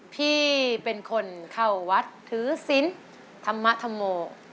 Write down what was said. พี่เป็นคนเขาวัดถือสินธรมธมโม